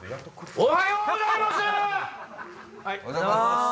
おはようございます。